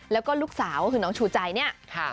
แล้วก็ลูกสาวก็คือน้องชูใจเนี่ย